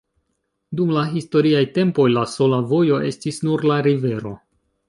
Dum la historiaj tempoj la sola vojo estis nur la rivero.